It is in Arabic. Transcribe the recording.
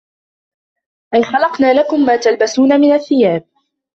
أَيْ خَلَقْنَا لَكُمْ مَا تَلْبَسُونَ مِنْ الثِّيَابِ